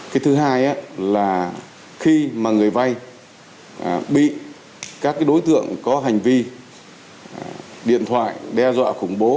cái thứ hai là khi mà người vay bị các đối tượng có hành vi điện thoại đe dọa khủng bố